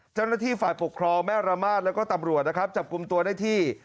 เจ้าหน้าที่ฝ่ายปกครองแม่ระมาทแล้วก็ตำรวจนะครับจับกลุ่มตัวได้ที่